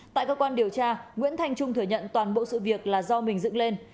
tại cơ quan điều tra nguyễn thanh trung thừa nhận toàn bộ sự việc là do mình dựng lên